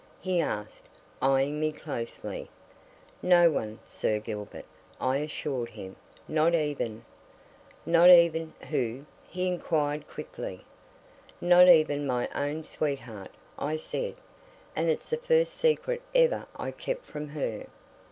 he asked, eyeing me closely. "Not one, Sir Gilbert," I assured him. "Not even " "Not even who?" he inquired quickly. "Not even my own sweetheart," I said. "And it's the first secret ever I kept from her."